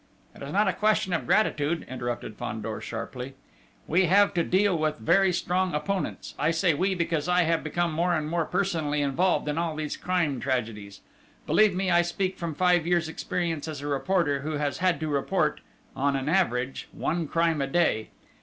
"It is not a question of gratitude," interrupted Fandor sharply. "We have to deal with very strong opponents. I say 'we' because I have become more and more personally involved in all these crime tragedies. Believe me, I speak from five years' experience as a reporter, who has had to report, on an average, one crime a day!...